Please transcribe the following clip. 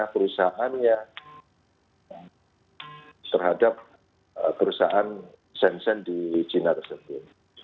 perusahaannya terhadap perusahaan shen di china tersebut